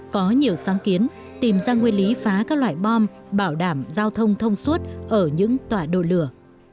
có nhiều sáng kiến tìm ra nguyên lý phá các loại bom bảo đảm giao thông thông suốt ở những tòa nhà